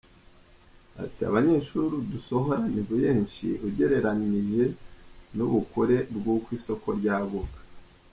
Ati “Abanyeshuri dusohora ni benshi ugereranyije n’ubukure bw’uko isoko ryaguka.